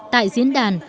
tại diễn đàn